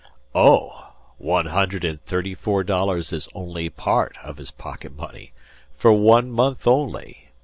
"Oh! One hundred and thirty four dollars is only part of his pocket money for one month only!